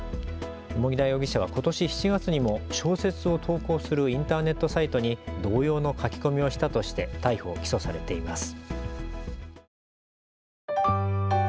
蓬田容疑者はことし７月にも小説を投稿するインターネットサイトに同様の書き込みをしたとして逮捕・起訴されています。